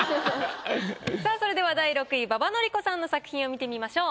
さあそれでは第６位馬場典子さんの作品を見てみましょう。